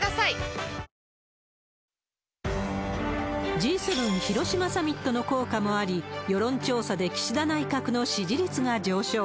Ｇ７広島サミットの効果もあり、世論調査で岸田内閣の支持率が上昇。